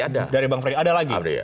dari bang freddy ada lagi